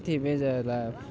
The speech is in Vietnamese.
thì bây giờ là